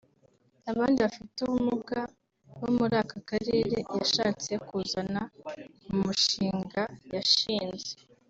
Abandi bafite ubumuga bo muri aka karere yashatse kuzana mu mushinga yashinze